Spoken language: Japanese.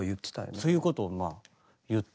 そういうことをまあ言ってて。